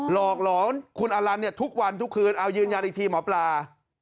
หลอกหลอนคุณอลันเนี่ยทุกวันทุกคืนเอายืนยันอีกทีหมอปลา